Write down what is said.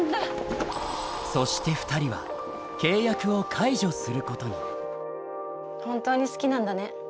そして２人は契約を解除することに本当に好きなんだね。